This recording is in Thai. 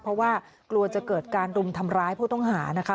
เพราะว่ากลัวจะเกิดการรุมทำร้ายผู้ต้องหานะคะ